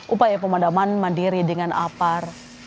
upaya pemadaman mandiri dengan apar